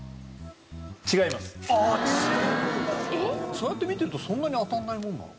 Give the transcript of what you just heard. そうやって見てるとそんなに当たらないものなの？